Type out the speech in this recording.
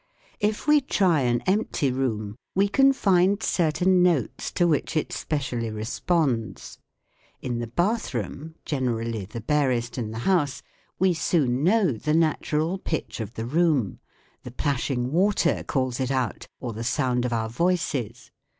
If we try an empty room we can find certain notes to which it specially responds. In the bathroom, generally the barest in the house, we soon know the natural pitch of the room ; the plashing water calls it out, or the sound of our voices.